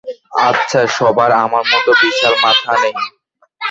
আচ্ছা, সবার আমার মতো বিশাল মাথা নেই।